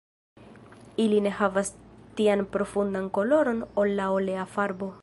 Ili ne havas tian profundan koloron ol la olea farbo.